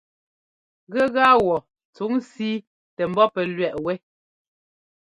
Gɛgaa wɔ tsuŋ síi tɛ ḿbɔ́ pɛ́ lẅɛꞌ wɛ́.